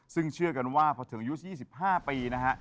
ซึ่งเชื่อกันว่าพอถึงอายุ๒๕ปีนะฮะ